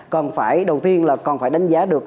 cần phải đầu tiên là còn phải đánh giá được